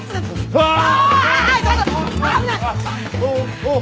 ああ！